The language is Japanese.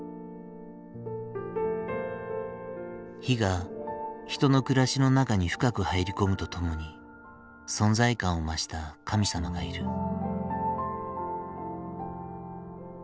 火が人の暮らしの中に深く入り込むとともに存在感を増した神様がいる。